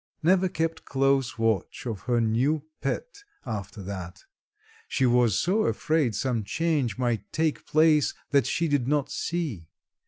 Neva kept close watch of her new pet after that, she was so afraid some change might take place that she did not see.